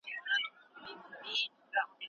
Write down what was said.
که تاسو غواړئ نو دا مقاله په دقت سره ولولئ.